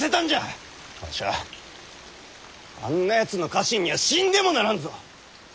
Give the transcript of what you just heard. わしゃあんなやつの家臣には死んでもならんぞ！